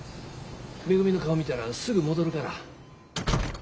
めぐみの顔見たらすぐ戻るから。